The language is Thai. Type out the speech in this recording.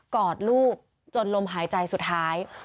อดลูกจนลมหายใจสุดท้าย